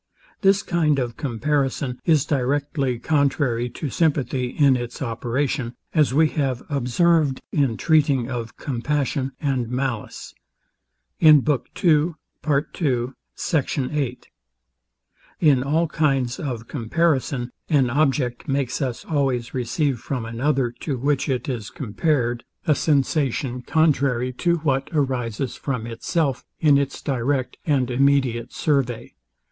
This kind of comparison is directly contrary to sympathy in its operation, as we have observed in treating of compassion and malice. IN ALL KINDS OF COMPARISON AN OBJECT MAKES US ALWAYS RECEIVE FROM ANOTHER, TO WHICH IT IS COMPARED, A SENSATION CONTRARY TO WHAT ARISES FROM ITSELF IN ITS DIRECT AND IMMEDIATE SURVEY.